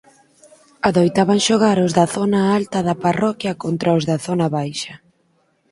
Adoitaban xogar os da zona alta da parroquia contra os da zona baixa.